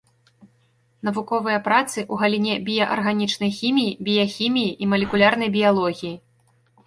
Навуковыя працы ў галіне біяарганічнай хіміі, біяхіміі і малекулярнай біялогіі.